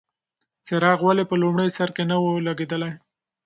څراغ ولې په لومړي سر کې نه و لګېدلی؟